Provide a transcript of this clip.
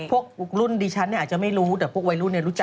พวกรุ่นดิฉันเนี่ยอาจจะไม่รู้แต่พวกวัยรุ่นเนี่ยรู้จัก